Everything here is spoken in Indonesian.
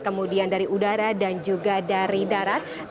kemudian dari udara dan juga dari darat